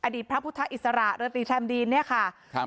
อดีตพระพุทธาอิสระหรือตีแท่มดีนเนี่ยค่ะ